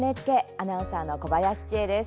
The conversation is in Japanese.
アナウンサーの小林千恵です。